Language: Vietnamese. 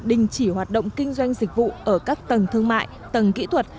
đình chỉ hoạt động kinh doanh dịch vụ ở các tầng thương mại tầng kỹ thuật